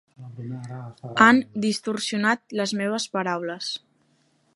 Han distorsionat les meves paraules.